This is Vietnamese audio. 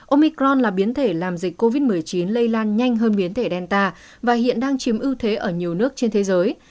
omicron là biến thể làm dịch covid một mươi chín lây lan nhanh hơn biến thể delta và hiện đang chiếm ưu thế ở nhiều nước trên thế giới